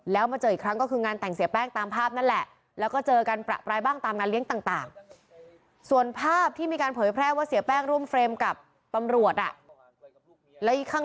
แล้วมาเจออีกครั้งก็คืองานแต่งเสียแป้งตามภาพนั่นแหละ